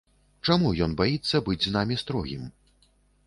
Чаму ён баіцца быць з намі строгім?